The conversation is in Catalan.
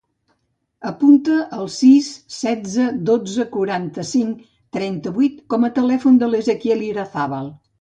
Apunta el sis, setze, dotze, quaranta-cinc, trenta-vuit com a telèfon de l'Ezequiel Irazabal.